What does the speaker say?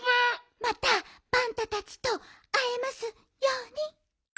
またパンタたちとあえますように。